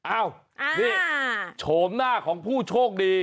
อ้าวนี่โฉมหน้าของผู้โชคดี